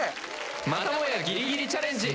またもやギリギリチャレンジ